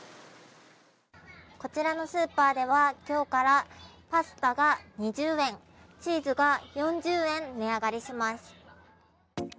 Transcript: こちらのスーパーでは、今日からパスタが２０円、チーズが４０円値上がりします。